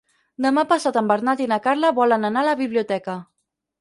Demà passat en Bernat i na Carla volen anar a la biblioteca.